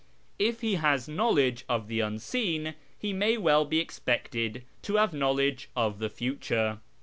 If he has knowledge of the Unseen he may well be expected to have knowledge of the Future.